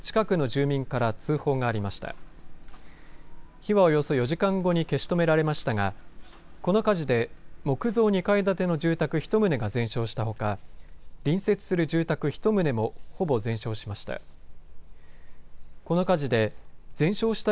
火はおよそ４時間後に消し止められましたがこの火事で木造２階建ての住宅１棟が全焼したほか隣接する住宅１棟もほぼ全焼しました。